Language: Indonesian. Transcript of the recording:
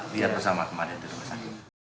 lihat bersama kemarin